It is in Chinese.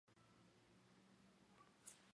光叶白头树为橄榄科嘉榄属的植物。